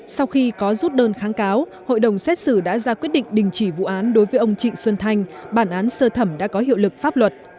sau khi có rút đơn kháng cáo hội đồng xét xử đã ra quyết định đình chỉ vụ án đối với ông trịnh xuân thanh bản án sơ thẩm đã có hiệu lực pháp luật